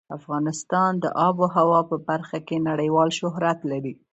افغانستان د آب وهوا په برخه کې نړیوال شهرت لري.